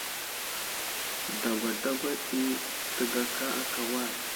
Dagwa dagwa ɗi təgaka aka wal.